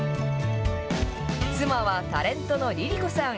妻はタレントのＬｉＬｉＣｏさん。